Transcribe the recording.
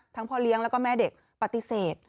พ่อเลี้ยงแล้วก็แม่เด็กปฏิเสธ